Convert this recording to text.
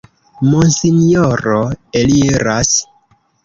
Monsinjoro eliras!